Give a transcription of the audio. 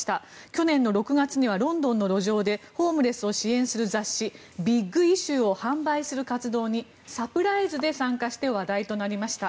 去年の６月にはロンドンの路上でホームレスを支援する雑誌「ビッグ・イシュー」を販売する活動にサプライズで参加して話題となりました。